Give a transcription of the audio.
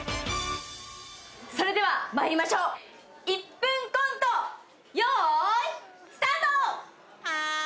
それではまいりましょう、１分コント、よーい、スタート！